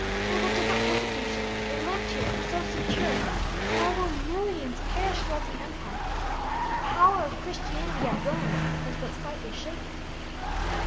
Through the different persecutions, they lived here so secure that although millions perished throughout the empire, the power of Christianity at Rome was but slightly shaken.